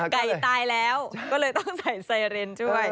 ไก่ตายแล้วก็เลยต้องใส่ไซเรนช่วย